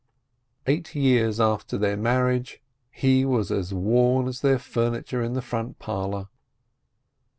Eight years after their marriage he was as worn as their furniture in the front parlor.